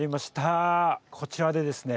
こちらでですね